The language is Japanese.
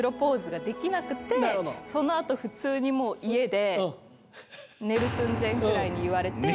その後普通にもう家で寝る寸前ぐらいに言われて。